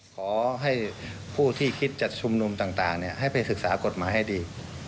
ขอให้ผู้ที่คิดจะชุมนุมต่างให้ไปศึกษากฎหมายให้ดี